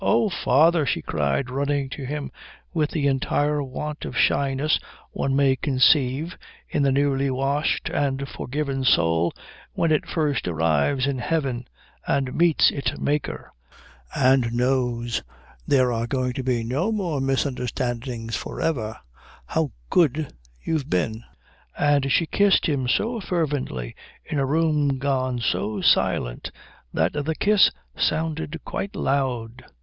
"Oh, father," she cried, running to him with the entire want of shyness one may conceive in the newly washed and forgiven soul when it first arrives in heaven and meets its Maker and knows there are going to be no more misunderstandings for ever, "how good you've been!" And she kissed him so fervently in a room gone so silent that the kiss sounded quite loud.